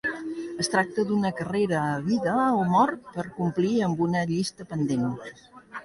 Es tracta d'una carrera a vida o mort per complir amb una llista pendent.